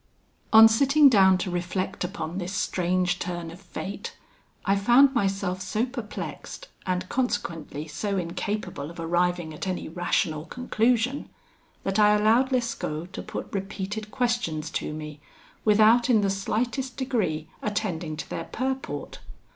"On sitting down to reflect upon this strange turn of fate, I found myself so perplexed, and consequently so incapable of arriving at any rational conclusion, that I allowed Lescaut to put repeated questions to me without in the slightest degree attending to their purport.